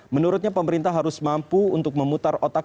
menurutnya pemerintah harus mampu untuk memutar otak